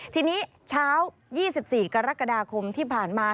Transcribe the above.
ทีนี้เช้า๒๔กรกฎาคมที่ผ่านมา